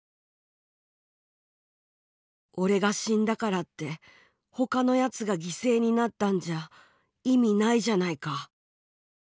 俺が死んだからって他のヤツが犠牲になったんじゃ意味ないじゃないか。